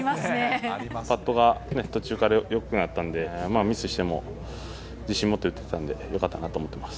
パットが途中からよくなったんで、ミスしても自信持って打てたのでよかったなと思ってます。